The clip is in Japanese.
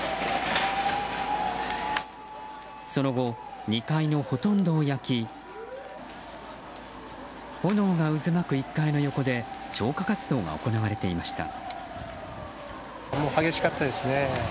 その後、２階のほとんどを焼き炎が渦巻く１階の横で消火活動が行われていました。